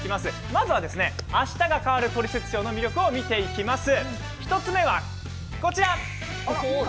まずは「あしたが変わるトリセツショー」の魅力を見ていきます。